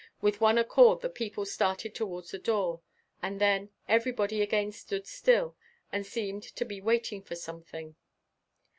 With one accord the people started toward the door, and then everybody again stood still and seemed to be waiting for something.